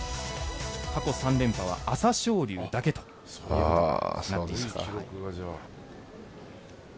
過去３連覇は朝青龍だけということになります。